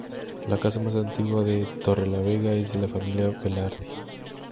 La casa más antigua de Torrelavega es de la familia Velarde.